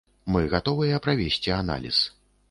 Мы гатовыя правесці аналіз.